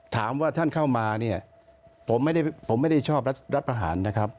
ถามว่าท่านเข้ามาเนี่ยผมไม่ได้ชอบรัฐประหารนะครับ